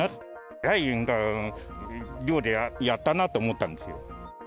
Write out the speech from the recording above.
えらい量でやったなと思ったんですよ。